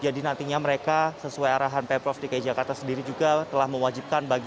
jadi nantinya mereka sesuai arahan pemprov dki jakarta sendiri juga telah mewajibkan bagi